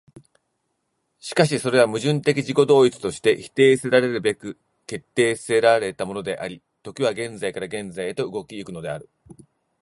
しかしそれは矛盾的自己同一として否定せられるべく決定せられたものであり、時は現在から現在へと動き行くのである。